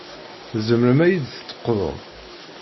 Tzemrem ad yi-d-teqḍum?